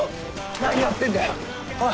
何やってんだよおい！